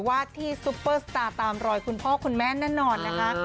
ว่าที่ซุปเปอร์สตาร์ตามรอยคุณพ่อคุณแม่แน่นอนนะคะ